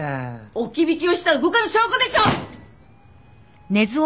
置き引きをした動かぬ証拠でしょ！